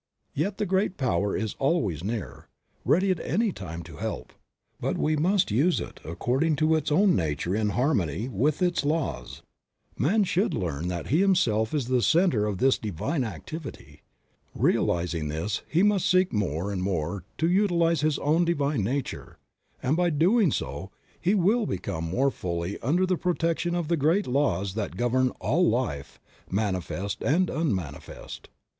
Yet the Great Power is always near, ready at any time to help, but we must use it according to its own nature in harmony with its laws. Man should learn that he himself is the center of this Divine activity. Realizing this, he must seek more and more to utilize his own Divine nature, and by so doing he will come more fully under the protection of the great laws that govern all life, manifest and unmanifest.